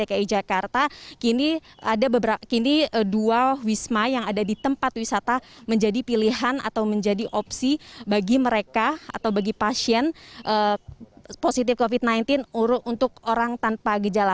jadi kalau misalnya di jakarta timur ini ada beberapa kini dua wisma yang ada di tempat wisata menjadi pilihan atau menjadi opsi bagi mereka atau bagi pasien positif covid sembilan belas untuk orang tanpa gejala